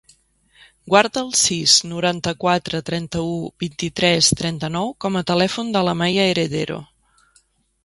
Guarda el sis, noranta-quatre, trenta-u, vint-i-tres, trenta-nou com a telèfon de l'Amaia Heredero.